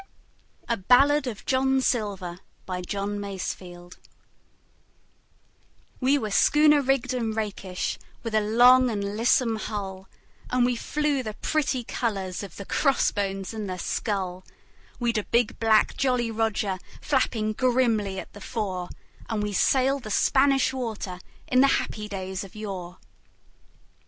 A BALLAD OF JOHN SILVER 7i A BALLAD OF JOHN SILVER We were schooner rigged and rakish, with a long and lissome hull, And we flew the pretty colours of the cross bones and the skull; We'd a big black Jolly Roger flapping grimly at the fore, And we sailed the Spanish Water in the happy days of yore.